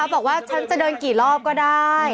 บอกว่าฉันจะเดินกี่รอบก็ได้